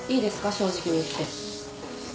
正直に言って。